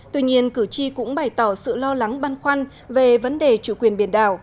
tuy nhiên cử tri cũng bày tỏ sự lo lắng băn khoăn về vấn đề chủ quyền biển đảo